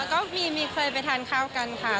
ก็มีเคยไปทานข้าวกันค่ะ